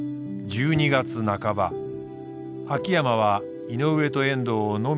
１２月半ば秋山は井上と遠藤を飲みに誘った。